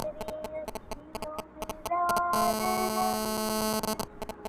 نه لري هيـڅ نــنــــگ